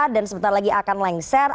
dan sebentar lagi akan lengser